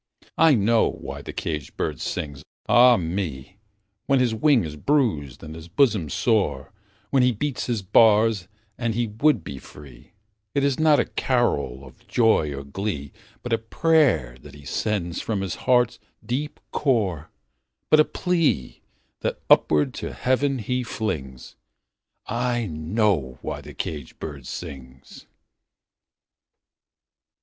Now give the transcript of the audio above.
I know why the caged bird sings, ah me, When his wing is bruised and his bosom sore, When he beats his bars and he would be free; It is not a carol of joy or glee, But a prayer that he sends from his heart's deep core, But a plea, that upward to Heaven he flings I know why the caged bird sings!